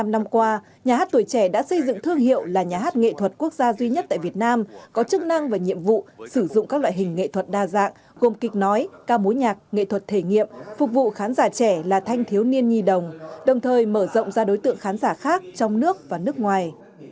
bảy mươi năm năm qua nhà hát tuổi trẻ đã xây dựng thương hiệu là nhà hát nghệ thuật quốc gia duy nhất tại việt nam có chức năng và nhiệm vụ sử dụng các loại hình nghệ thuật đa dạng gồm kịch nói ca mối nhạc nghệ thuật thể nghiệm phục vụ khán giả trẻ là thanh thiếu niên nhi đồng đồng thời mở rộng ra đối tượng khán giả khác trong nước và nước ngoài